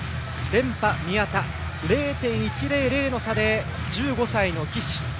連覇、宮田０．１００の差で１５歳の岸。